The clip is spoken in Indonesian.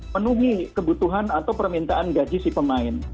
penuhi kebutuhan atau permintaan gaji si pemain